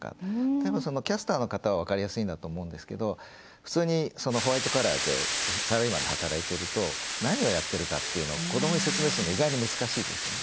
例えば、キャスターの方は分かりやすいんだと思うんですけど普通にホワイトカラーでサラリーマンで働いてると何をやってるかっていうのを子どもに説明するの意外に難しいですよね。